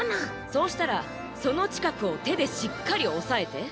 そうしたらそのちかくをてでしっかりおさえて。